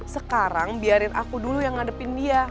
sekarang biarin aku dulu yang ngadepin dia